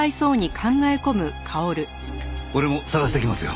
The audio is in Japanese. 俺も捜してきますよ。